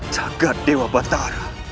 jaga dewa batara